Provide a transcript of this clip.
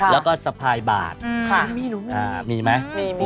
แล้วก็สะพายบาดมีมั้ย